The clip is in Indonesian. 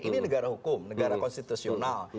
ini negara hukum negara konstitusional